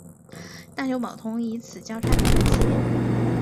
大久保通以此交差点为起点。